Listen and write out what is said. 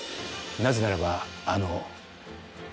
なぜならばあの。